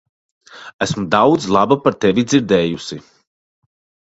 Esmu daudz laba par tevi dzirdējusi.